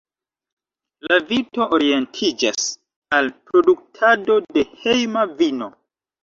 La vito orientiĝas al produktado de hejma vino.